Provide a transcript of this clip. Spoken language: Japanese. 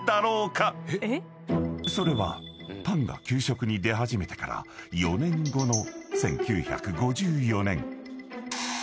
［それはパンが給食に出始めてから４年後の］